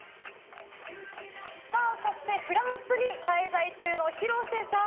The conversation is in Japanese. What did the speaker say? そしてフランスに滞在中の廣瀬さん。